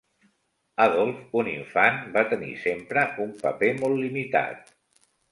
Adolf, un infant, va tenir sempre un paper molt limitat.